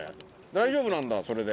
大丈夫なんだ、それで。